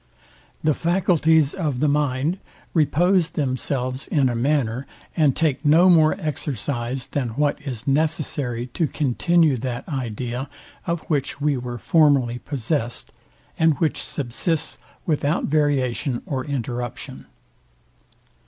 The faculties of the mind repose themselves in a manner, and take no more exercise, than what is necessary to continue that idea, of which we were formerly possest, and which subsists without variation or interruption.